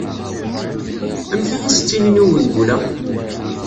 Amek ay as-ttinin i wengul-a?